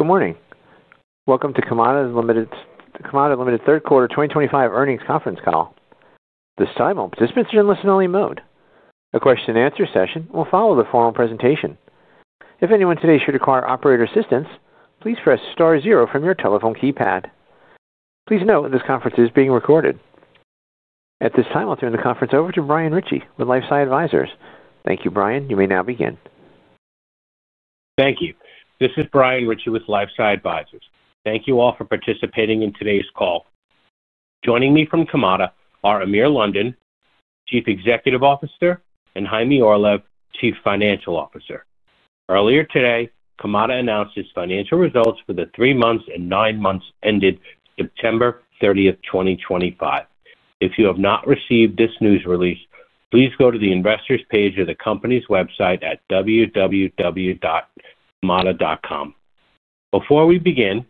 Good morning. Welcome to Kamada Ltd Third Quarter 2025 Earnings Conference Call. At this time, all participants are in listen-only mode. A question-and-answer session will follow the formal presentation. If anyone today should require operator assistance, please press star zero from your telephone keypad. Please note that this conference is being recorded. At this time, I'll turn the conference over to Brian Ritchie with LifeSci Advisors. Thank you, Brian. You may now begin. Thank you. This is Brian Ritchie with LifeSci Advisors. Thank you all for participating in today's call. Joining me from Kamada are Amir London, Chief Executive Officer, and Chaime Orlev, Chief Financial Officer. Earlier today, Kamada announced its financial results for the three months and nine months ended September 30th, 2025. If you have not received this news release, please go to the investors' page of the company's website at www.kamada.com. Before we begin,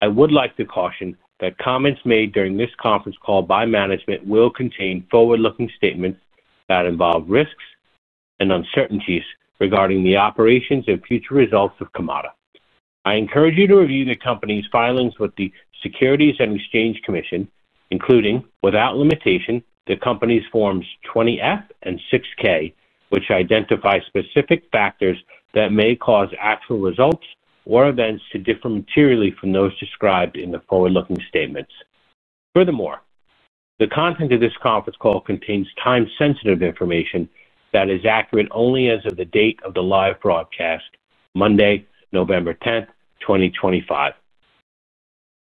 I would like to caution that comments made during this conference call by management will contain forward-looking statements that involve risks and uncertainties regarding the operations and future results of Kamada. I encourage you to review the company's filings with the Securities and Exchange Commission, including, without limitation, the company's Forms 20-F and 6-K, which identify specific factors that may cause actual results or events to differ materially from those described in the forward-looking statements. Furthermore, the content of this conference call contains time-sensitive information that is accurate only as of the date of the live broadcast, Monday, November 10th, 2025.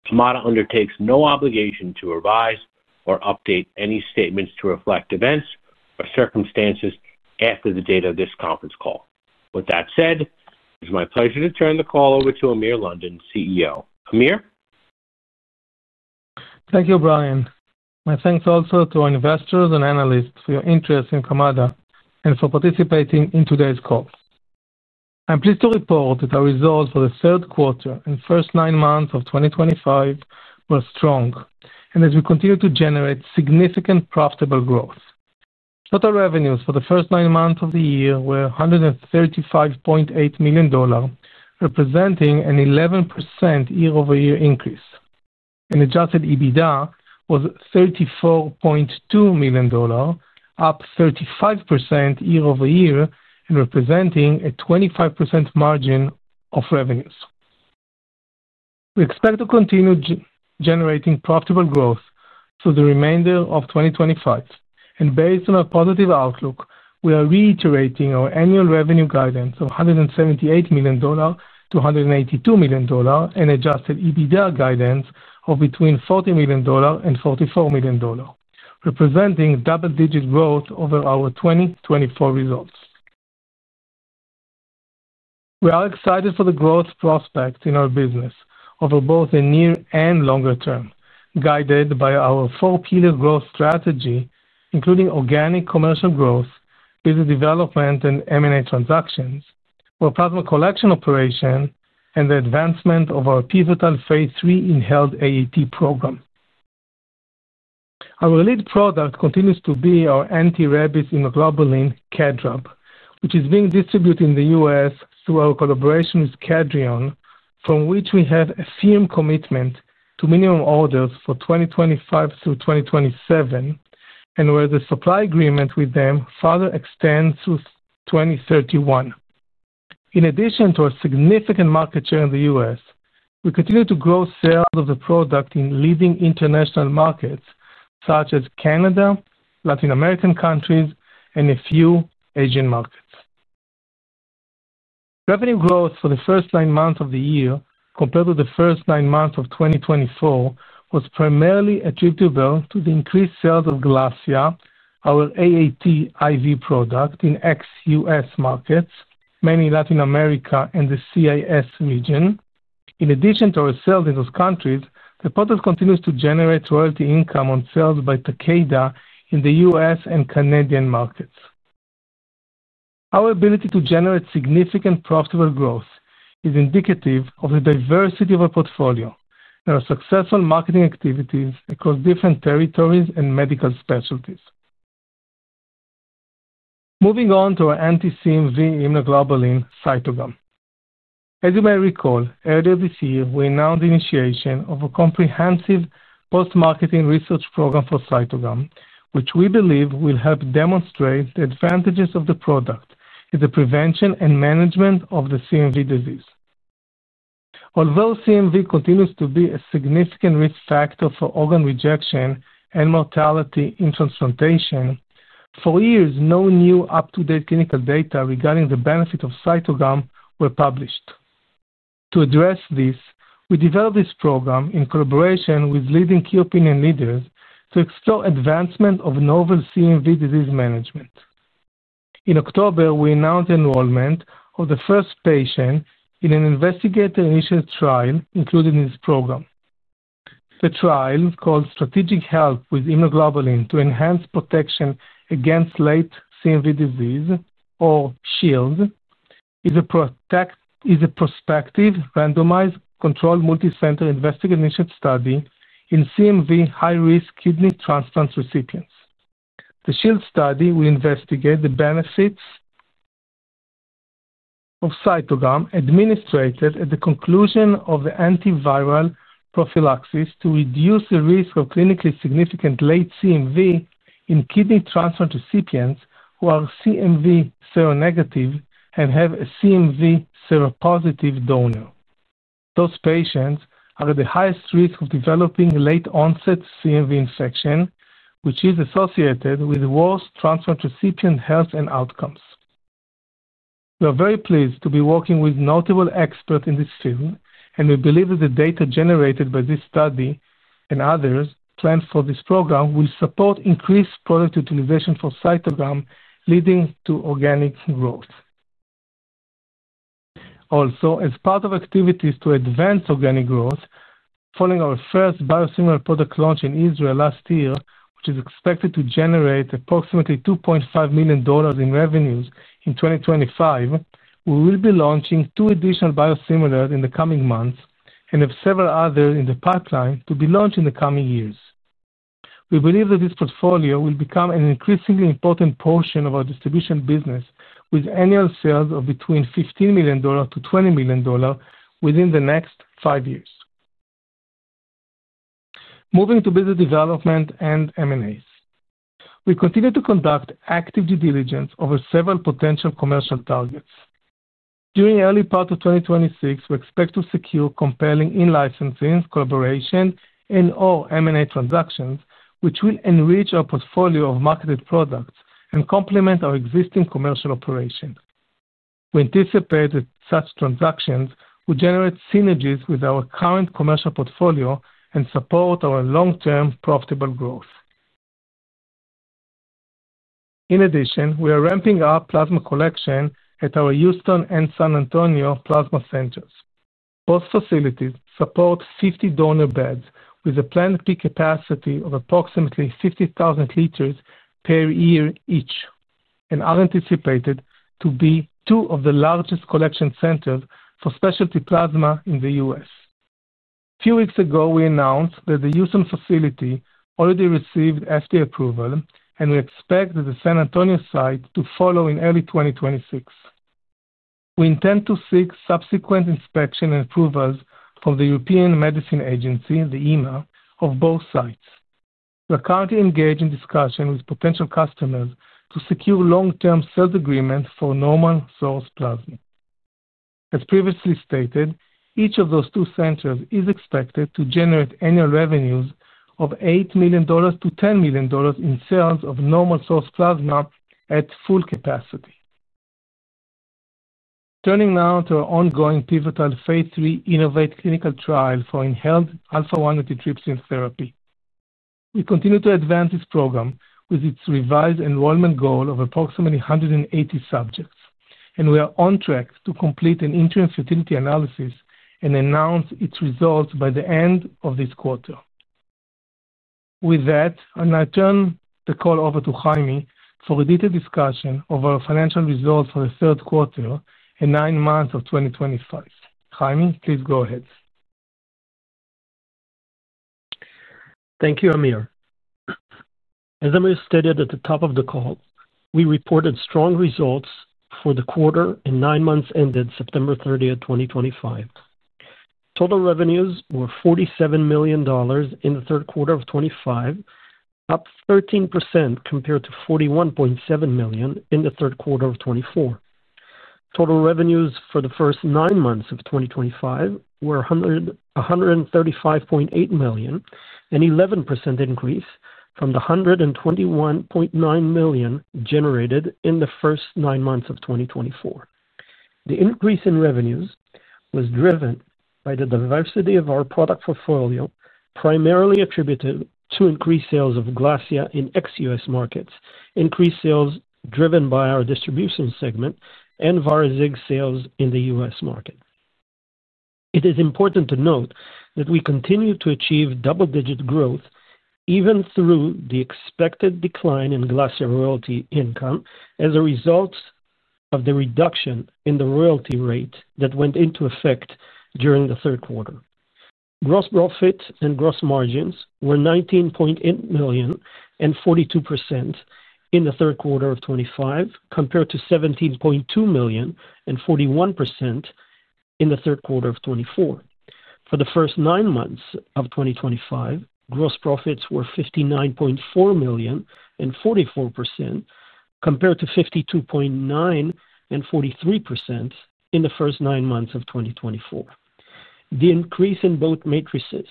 Kamada undertakes no obligation to revise or update any statements to reflect events or circumstances after the date of this conference call. With that said, it is my pleasure to turn the call over to Amir London, CEO. Amir? Thank you, Brian. My thanks also to our investors and analysts for your interest in Kamada and for participating in today's call. I'm pleased to report that our results for the third quarter and first nine months of 2025 were strong, and as we continue to generate significant profitable growth. Total revenues for the first nine months of the year were $135.8 million, representing an 11% year-over-year increase. An adjusted EBITDA was $34.2 million, up 35% year-over-year and representing a 25% margin of revenues. We expect to continue generating profitable growth through the remainder of 2025. Based on our positive outlook, we are reiterating our annual revenue guidance of $178 million-$182 million and adjusted EBITDA guidance of $40 million-$44 million, representing double-digit growth over our 2024 results. We are excited for the growth prospects in our business over both the near and longer term, guided by our four-pillar growth strategy including organic commercial growth, business development and M&A transactions, our plasma collection operation, and the advancement of our pivotal phase III Inhaled AAT program. Our lead product continues to be our anti-rabies immunoglobulin KamRab, which is being distributed in the U.S. through our collaboration with Kedrion, from which we have a firm commitment to minimum orders for 2025 through 2027, and where the supply agreement with them further extends through 2031. In addition to our significant market share in the U.S., we continue to grow sales of the product in leading international markets such as Canada, Latin American countries, and a few Asian markets. Revenue growth for the first nine months of the year, compared with the first nine months of 2024, was primarily attributable to the increased sales of GLASSIA, our AAT IV product, in ex-U.S. markets, mainly Latin America and the CIS region. In addition to our sales in those countries, the product continues to generate royalty income on sales by Takeda in the U.S. and Canadian markets. Our ability to generate significant profitable growth is indicative of the diversity of our portfolio and our successful marketing activities across different territories and medical specialties. Moving on to our anti-CMV immunoglobulin Cytogam. As you may recall, earlier this year, we announced the initiation of a comprehensive post-marketing research program for Cytogam, which we believe will help demonstrate the advantages of the product in the prevention and management of the CMV disease. Although CMV continues to be a significant risk factor for organ rejection and mortality in transplantation, for years, no new up-to-date clinical data regarding the benefit of Cytogam were published. To address this, we developed this program in collaboration with leading key opinion leaders to explore advancements of novel CMV disease management. In October, we announced enrollment of the first patient in an investigator-initiated trial included in this program. The trial, called Strategic Health with Immunoglobulin to Enhance Protection Against Late CMV Disease, or SHIELD, is a prospective randomized controlled multicenter investigator-initiated study in CMV high-risk kidney transplant recipients. The SHIELD study will investigate the benefits of Cytogam administered at the conclusion of the antiviral prophylaxis to reduce the risk of clinically significant late CMV in kidney transplant recipients who are CMV seronegative and have a CMV seropositive donor. Those patients are at the highest risk of developing late-onset CMV infection, which is associated with worse transplant recipient health and outcomes. We are very pleased to be working with notable experts in this field, and we believe that the data generated by this study and others planned for this program will support increased product utilization for Cytogam, leading to organic growth. Also, as part of activities to advance organic growth, following our first biosimilar product launch in Israel last year, which is expected to generate approximately $2.5 million in revenues in 2025, we will be launching two additional biosimilars in the coming months and have several others in the pipeline to be launched in the coming years. We believe that this portfolio will become an increasingly important portion of our distribution business, with annual sales of between $15 million-$20 million within the next five years. Moving to business development and M&As, we continue to conduct active due diligence over several potential commercial targets. During the early part of 2026, we expect to secure compelling in-licensing, collaboration, and/or M&A transactions, which will enrich our portfolio of marketed products and complement our existing commercial operations. We anticipate that such transactions will generate synergies with our current commercial portfolio and support our long-term profitable growth. In addition, we are ramping up plasma collection at our Houston and San Antonio plasma centers. Both facilities support 50 donor beds with a planned peak capacity of approximately 50,000 liters per year each, and are anticipated to be two of the largest collection centers for specialty plasma in the U.S.. A few weeks ago, we announced that the Houston facility already received FDA approval, and we expect the San Antonio site to follow in early 2026. We intend to seek subsequent inspection and approvals from the European Medicines Agency, the EMA, of both sites. We are currently engaged in discussion with potential customers to secure long-term sales agreements for normal source plasma. As previously stated, each of those two centers is expected to generate annual revenues of $8 million-$10 million in sales of normal source plasma at full capacity. Turning now to our ongoing pivotal phase III Innovate clinical trial for Inhaled Alpha-1 Antitrypsin Therapy. We continue to advance this program with its revised enrollment goal of approximately 180 subjects, and we are on track to complete an interim futility analysis and announce its results by the end of this quarter. With that, I now turn the call over to Chaime for a detailed discussion of our financial results for the third quarter and nine months of 2025. Chaime, please go ahead. Thank you, Amir. As Amir stated at the top of the call, we reported strong results for the quarter and nine months ended September 30, 2025. Total revenues were $47 million in the third quarter of 2025, up 13% compared to $41.7 million in the third quarter of 2024. Total revenues for the first nine months of 2025 were $135.8 million, an 11% increase from the $121.9 million generated in the first nine months of 2024. The increase in revenues was driven by the diversity of our product portfolio, primarily attributed to increased sales of GLASSIA in ex-U.S. markets, increased sales driven by our distribution segment, and VARIZIG sales in the U.S. market. It is important to note that we continue to achieve double-digit growth even through the expected decline in GLASSIA royalty income as a result of the reduction in the royalty rate that went into effect during the third quarter. Gross profit and gross margins were $19.8 million and 42% in the third quarter of 2025, compared to $17.2 million and 41% in the third quarter of 2024. For the first nine months of 2025, gross profits were $59.4 million and 44%, compared to $52.9 million and 43% in the first nine months of 2024. The increase in both matrices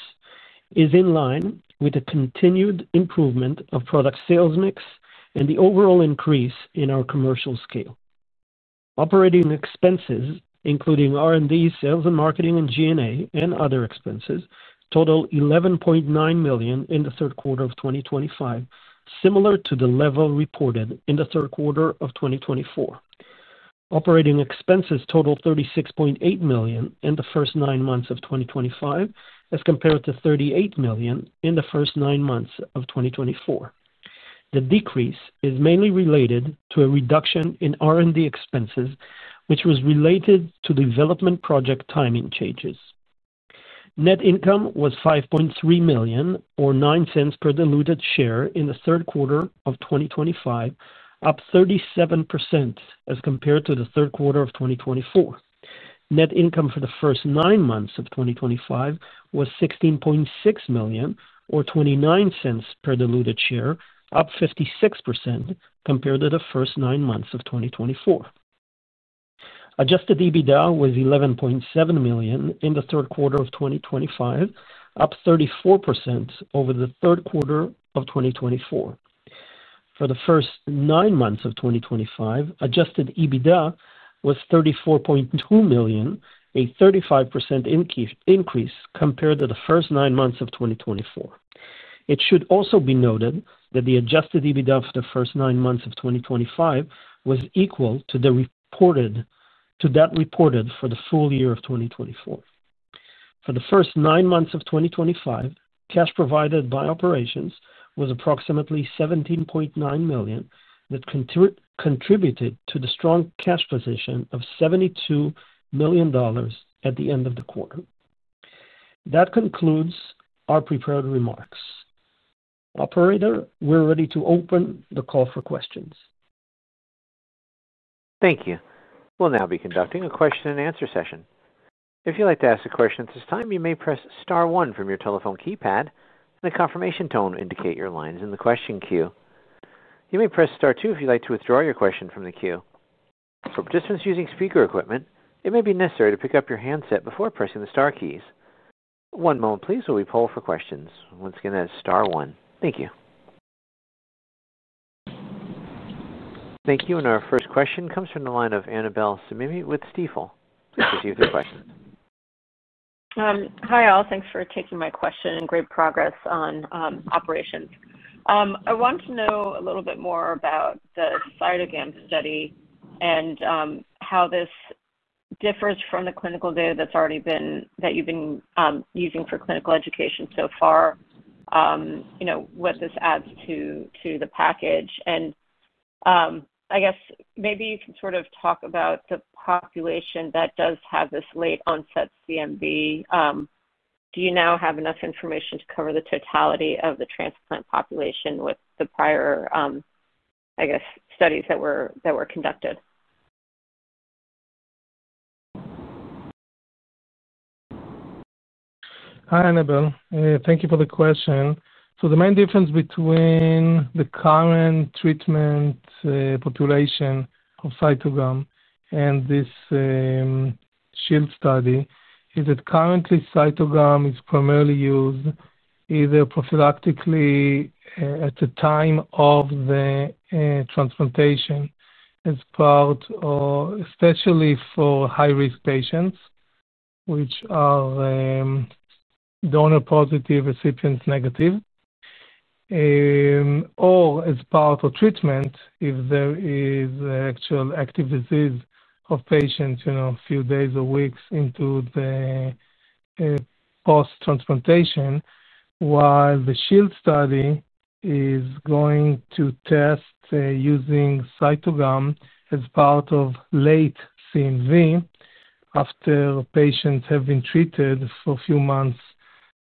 is in line with the continued improvement of product sales mix and the overall increase in our commercial scale. Operating expenses, including R&D, sales and marketing, and G&A and other expenses, totaled $11.9 million in the third quarter of 2025, similar to the level reported in the third quarter of 2024. Operating expenses totaled $36.8 million in the first nine months of 2025, as compared to $38 million in the first nine months of 2024. The decrease is mainly related to a reduction in R&D expenses, which was related to development project timing changes. Net income was $5.3 million, or $0.09 per diluted share, in the third quarter of 2025, up 37% as compared to the third quarter of 2024. Net income for the first nine months of 2025 was $16.6 million, or $0.29 per diluted share, up 56% compared to the first nine months of 2024. Adjusted EBITDA was $11.7 million in the third quarter of 2025, up 34% over the third quarter of 2024. For the first nine months of 2025, adjusted EBITDA was $34.2 million, a 35% increase compared to the first nine months of 2024. It should also be noted that the adjusted EBITDA for the first nine months of 2025 was equal to that reported for the full year of 2024. For the first nine months of 2025, cash provided by operations was approximately $17.9 million that contributed to the strong cash position of $72 million at the end of the quarter. That concludes our prepared remarks. Operator, we're ready to open the call for questions. Thank you. We'll now be conducting a question-and-answer session. If you'd like to ask a question at this time, you may press star one from your telephone keypad and the confirmation tone to indicate your line is in the question queue. You may press star two if you'd like to withdraw your question from the queue. For participants using speaker equipment, it may be necessary to pick up your handset before pressing the star keys. One moment, please, while we poll for questions. Once again, that is star one. Thank you. Thank you. Our first question comes from the line of Annabel Samimy with Stifel. Please proceed with your question. Hi, all. Thanks for taking my question. Great progress on operations. I want to know a little bit more about the Cytogam study and how this differs from the clinical data that you've been using for clinical education so far, what this adds to the package. I guess maybe you can sort of talk about the population that does have this late-onset CMV. Do you now have enough information to cover the totality of the transplant population with the prior, I guess, studies that were conducted? Hi, Annabel. Thank you for the question. The main difference between the current treatment population of Cytogam and this SHIELD study is that currently, Cytogam is primarily used either prophylactically at the time of the transplantation as part, especially for high-risk patients, which are donor-positive, recipient-negative, or as part of treatment if there is actual active disease of patients a few days or weeks into the post-transplantation. While the SHIELD study is going to test using Cytogam as part of late CMV after patients have been treated for a few months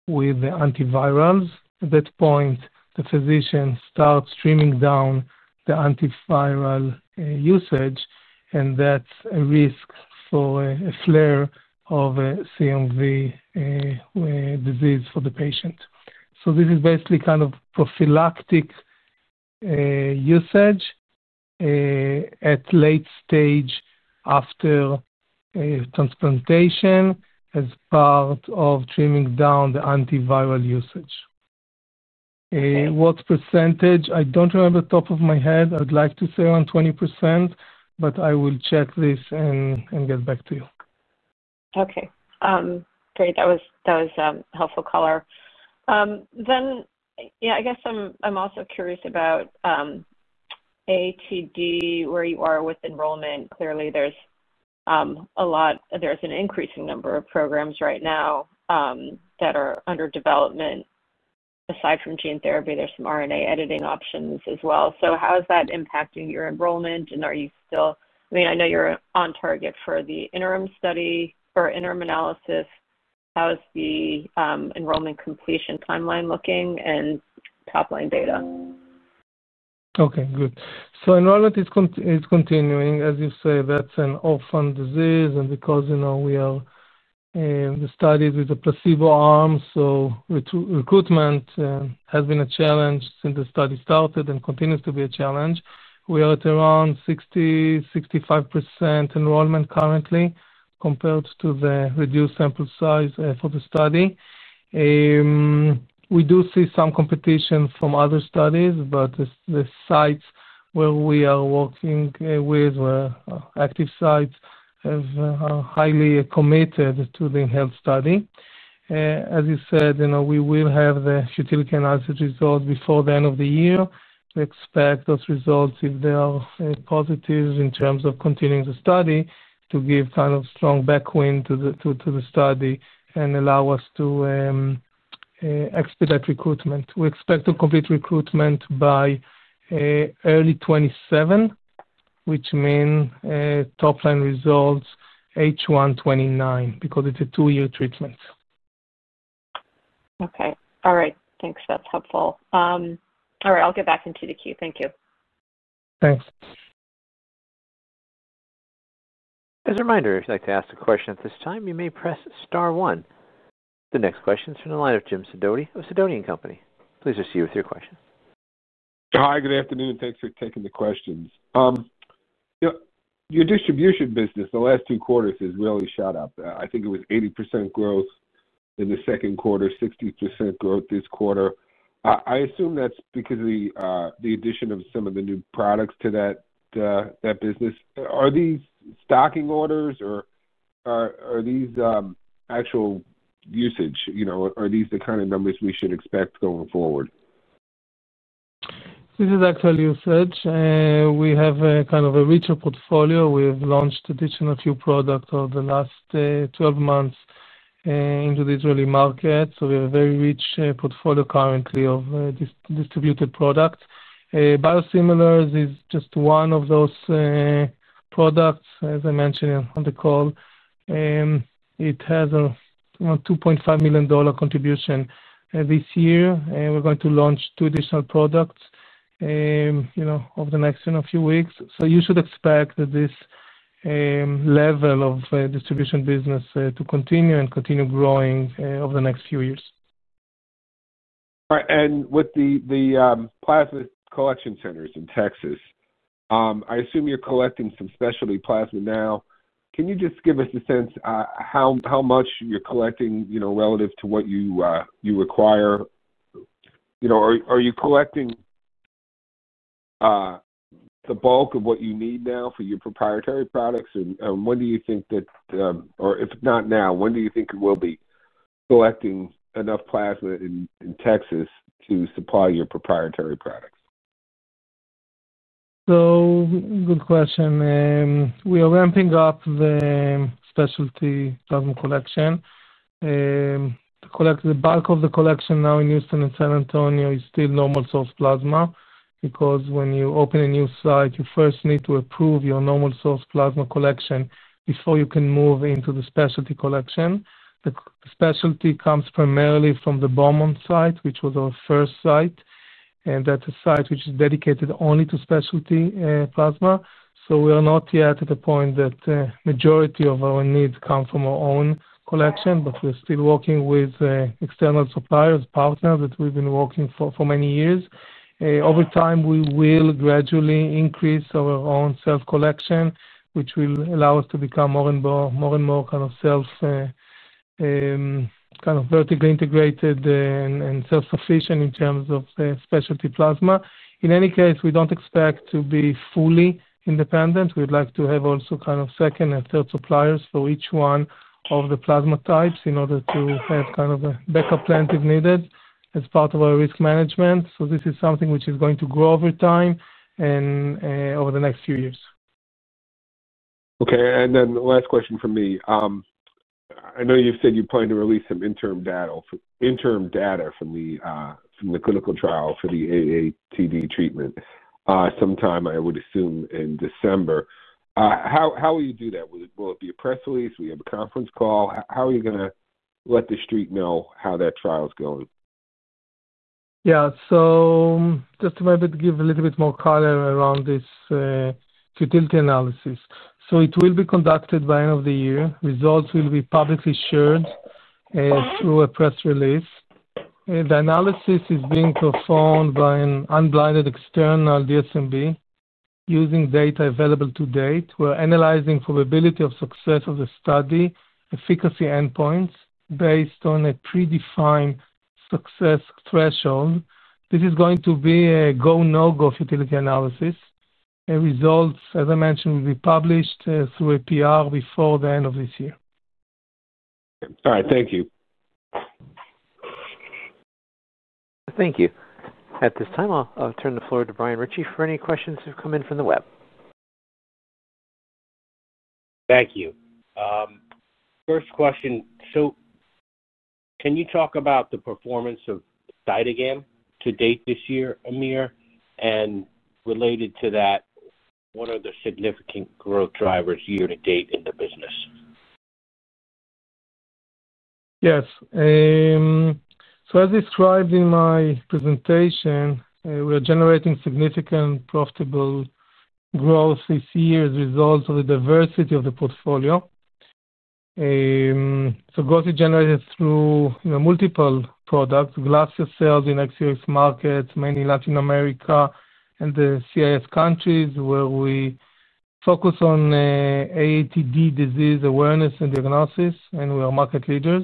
with antivirals, at that point, the physician starts trimming down the antiviral usage, and that's a risk for a flare of CMV disease for the patient. This is basically kind of prophylactic usage at late stage after transplantation as part of trimming down the antiviral usage. What percentage? I don't remember top of my head. I would like to say around 20%, but I will check this and get back to you. Okay. Great. That was helpful color. I guess I'm also curious about AATD, where you are with enrollment. Clearly, there's a lot. There's an increasing number of programs right now that are under development. Aside from gene therapy, there's some RNA editing options as well. How is that impacting your enrollment? Are you still—I mean, I know you're on target for the interim study or interim analysis. How is the enrollment completion timeline looking and top-line data? Okay. Good. Enrollment is continuing. As you say, that's an orphan disease. Because we are studied with a placebo arm, recruitment has been a challenge since the study started and continues to be a challenge. We are at around 60%-65% enrollment currently compared to the reduced sample size for the study. We do see some competition from other studies, but the sites where we are working with, where active sites have highly committed to the inhaled study. As you said, we will have the futility analysis results before the end of the year. We expect those results, if they are positive in terms of continuing the study, to give kind of strong backwind to the study and allow us to expedite recruitment. We expect to complete recruitment by early 2027, which means top-line results H1 2029 because it's a two-year treatment. Okay. All right. Thanks. That's helpful. All right. I'll get back into the queue. Thank you. Thanks. As a reminder, if you'd like to ask a question at this time, you may press star one. The next question is from the line of Jim Sidoti of Sidoti & Company. Please proceed with your question. Hi. Good afternoon. Thanks for taking the questions. Your distribution business, the last two quarters has really shot up. I think it was 80% growth in the second quarter, 60% growth this quarter. I assume that's because of the addition of some of the new products to that business. Are these stocking orders, or are these actual usage? Are these the kind of numbers we should expect going forward? This is actual usage. We have kind of a richer portfolio. We have launched additional few products over the last 12 months into the Israeli market. We have a very rich portfolio currently of distributed products. Biosimilars is just one of those products, as I mentioned on the call. It has a $2.5 million contribution this year. We are going to launch two additional products over the next few weeks. You should expect this level of distribution business to continue and continue growing over the next few years. All right. With the plasma collection centers in Texas, I assume you're collecting some specialty plasma now. Can you just give us a sense of how much you're collecting relative to what you require? Are you collecting the bulk of what you need now for your proprietary products? If not now, when do you think you will be collecting enough plasma in Texas to supply your proprietary products? Good question. We are ramping up the specialty plasma collection. The bulk of the collection now in Houston and San Antonio is still normal source plasma because when you open a new site, you first need to approve your normal source plasma collection before you can move into the specialty collection. The specialty comes primarily from the Beaumont site, which was our first site. That is a site which is dedicated only to specialty plasma. We are not yet at the point that the majority of our needs come from our own collection, but we are still working with external suppliers, partners that we have been working with for many years. Over time, we will gradually increase our own self-collection, which will allow us to become more and more kind of vertically integrated and self-sufficient in terms of specialty plasma. In any case, we don't expect to be fully independent. We would like to have also kind of second and third suppliers for each one of the plasma types in order to have kind of a backup plan if needed as part of our risk management. This is something which is going to grow over time and over the next few years. Okay. And then last question from me. I know you said you plan to release some interim data from the clinical trial for the AATD treatment sometime, I would assume, in December. How will you do that? Will it be a press release? Will you have a conference call? How are you going to let the street know how that trial's going? Yeah. Just to maybe give a little bit more color around this fertility analysis. It will be conducted by the end of the year. Results will be publicly shared through a press release. The analysis is being performed by an unblinded external DSMB using data available to date. We're analyzing probability of success of the study, efficacy endpoints based on a predefined success threshold. This is going to be a go, no-go fertility analysis. The results, as I mentioned, will be published through a PR before the end of this year. All right. Thank you. Thank you. At this time, I'll turn the floor to Brian Ritchie for any questions that have come in from the web. Thank you. First question. Can you talk about the performance of Cytogam to date this year, Amir? Related to that, what are the significant growth drivers year to date in the business? Yes. As described in my presentation, we are generating significant profitable growth this year as a result of the diversity of the portfolio. Growth is generated through multiple products, GLASSIA in ex-U.S. markets, mainly Latin America and the CIS countries, where we focus on AATD disease awareness and diagnosis, and we are market leaders,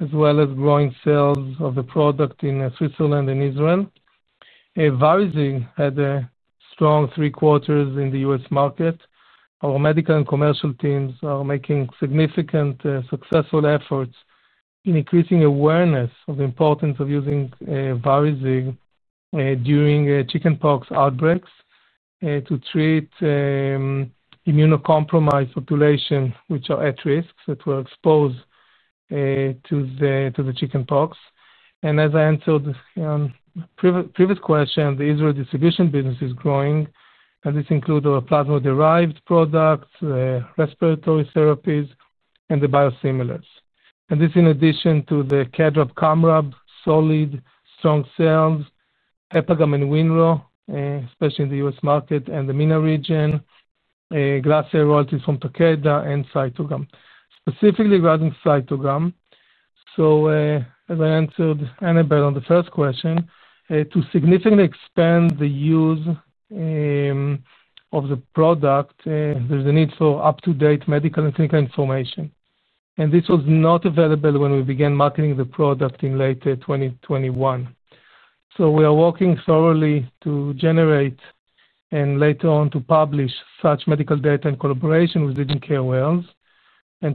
as well as growing sales of the product in Switzerland and Israel. VARIZIG had a strong three-quarters in the U.S. market. Our medical and commercial teams are making significant successful efforts in increasing awareness of the importance of using VARIZIG during chickenpox outbreaks to treat immunocompromised populations, which are at risk, that were exposed to the chickenpox. As I answered the previous question, the Israeli distribution business is growing, and this includes our plasma-derived products, respiratory therapies, and the biosimilars. This is in addition to the KamRab, solid, strong sales, HepaGam and WinRho, especially in the U.S. market and the MENA region, GLASSIA royalties from Takeda and Cytogam. Specifically regarding Cytogam, as I answered Annabel on the first question, to significantly expand the use of the product, there is a need for up-to-date medical and clinical information. This was not available when we began marketing the product in late 2021. We are working thoroughly to generate and later on to publish such medical data in collaboration with leading KOLs.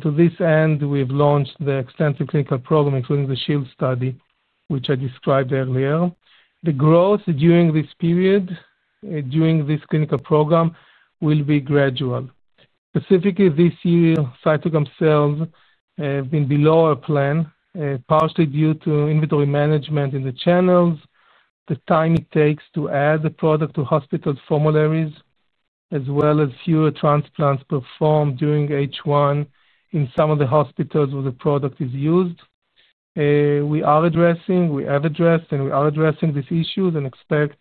To this end, we have launched the extensive clinical program, including the SHIELD study, which I described earlier. The growth during this period, during this clinical program, will be gradual. Specifically, this year, Cytogam sales have been below our plan, partially due to inventory management in the channels, the time it takes to add the product to hospital formularies, as well as fewer transplants performed during H1 in some of the hospitals where the product is used. We are addressing, we have addressed, and we are addressing these issues and expect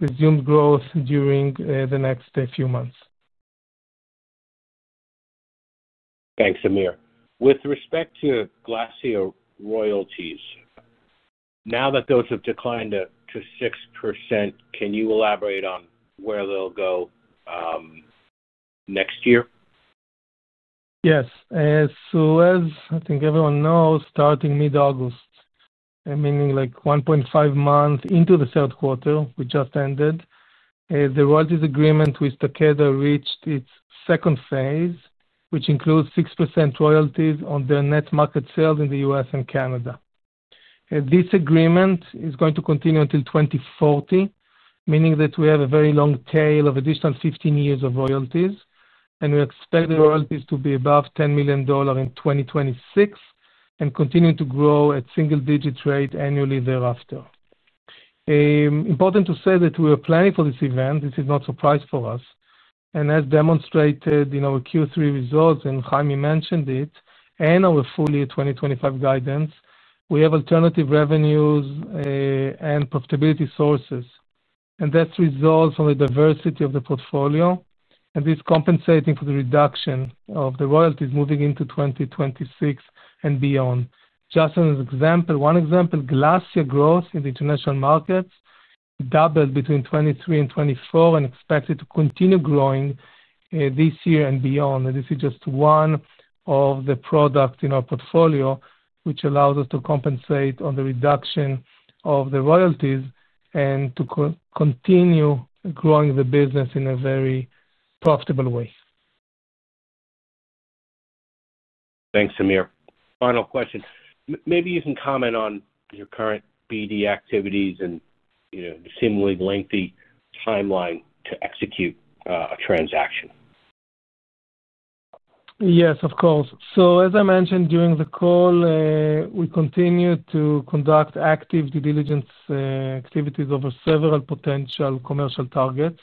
resumed growth during the next few months. Thanks, Amir. With respect to GLASSIA royalties, now that those have declined to 6%, can you elaborate on where they'll go next year? Yes. So as I think everyone knows, starting mid-August, meaning like 1.5 months into the third quarter, which just ended, the royalties agreement with Takeda reached its second phase, which includes 6% royalties on their net market sales in the U.S. and Canada. This agreement is going to continue until 2040, meaning that we have a very long tail of additional 15 years of royalties. And we expect the royalties to be above $10 million in 2026 and continue to grow at single-digit rate annually thereafter. Important to say that we are planning for this event. This is not a surprise for us. And as demonstrated in our Q3 results, and Chaime mentioned it, and our full year 2025 guidance, we have alternative revenues and profitability sources. And that's resulting from the diversity of the portfolio. This is compensating for the reduction of the royalties moving into 2026 and beyond. Just as an example, one example, GLASSIA growth in the international markets doubled between 2023 and 2024 and is expected to continue growing this year and beyond. This is just one of the products in our portfolio, which allows us to compensate on the reduction of the royalties and to continue growing the business in a very profitable way. Thanks, Amir. Final question. Maybe you can comment on your current BD activities and the seemingly lengthy timeline to execute a transaction. Yes, of course. As I mentioned during the call, we continue to conduct active due diligence activities over several potential commercial targets.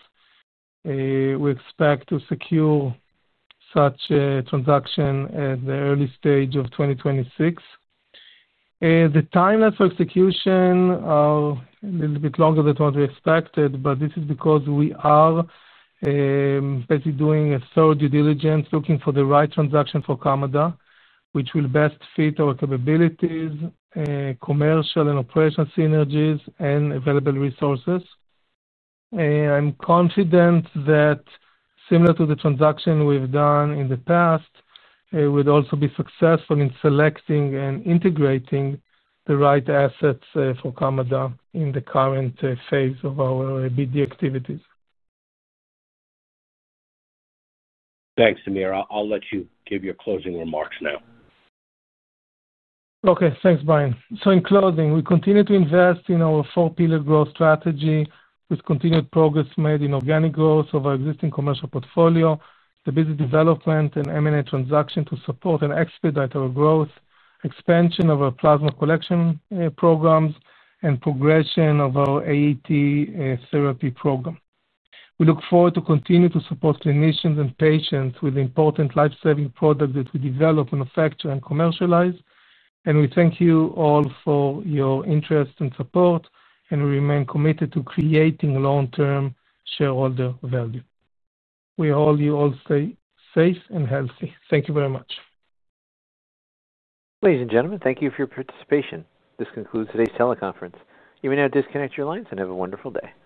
We expect to secure such transactions at the early stage of 2026. The timelines for execution are a little bit longer than what we expected, but this is because we are basically doing a third due diligence looking for the right transaction for Kamada, which will best fit our capabilities, commercial and operational synergies, and available resources. I'm confident that, similar to the transaction we've done in the past, we'd also be successful in selecting and integrating the right assets for Kamada in the current phase of our BD activities. Thanks, Amir. I'll let you give your closing remarks now. Okay. Thanks, Brian. In closing, we continue to invest in our four-pillar growth strategy with continued progress made in organic growth of our existing commercial portfolio, the business development and M&A transaction to support and expedite our growth, expansion of our plasma collection programs, and progression of our AAT therapy program. We look forward to continuing to support clinicians and patients with important lifesaving products that we develop, manufacture, and commercialize. We thank you all for your interest and support, and we remain committed to creating long-term shareholder value. We all hope you all stay safe and healthy. Thank you very much. Ladies and gentlemen, thank you for your participation. This concludes today's teleconference. You may now disconnect your lines and have a wonderful day.